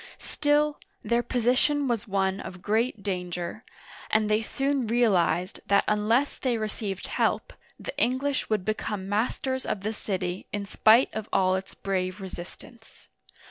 Still, their position was one of great danger, and they soon realized that unless they received help, the English would become masters of the city in spite of all its brave resist ance.